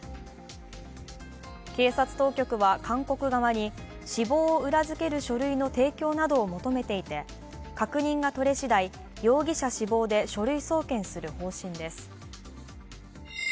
警察当局は韓国側に死亡を裏づける書類の提供などを求めていて確認が取れしだい、容疑者死亡で書類送検する方針です。